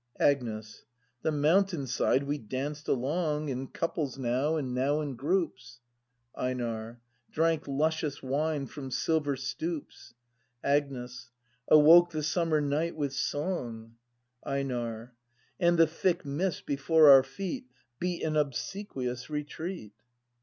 Agnes. The mountain side we danced along. In couples now, and now in groups, — EiNAR. Drank luscious wine from silver stoups, — Agnes. Awoke the summer night with song, — EiNAR. And the thick mist before our feet Beat an obsequious retreat.